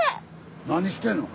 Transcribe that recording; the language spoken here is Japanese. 何してんの？